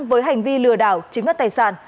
với hành vi lừa đảo chứng nhận tài sản